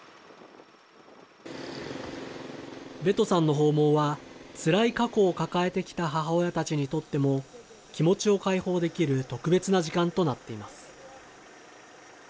ベトさんの訪問は、つらい過去を抱えてきた母親たちにとっても、気持ちを解放できる特別な時間となっています。